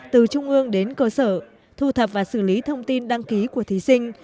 từ trung ương đến cơ sở thu thập và xử lý thông tin đăng ký của thí sinh